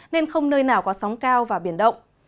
nên không nơi nào có sóng cao và biển động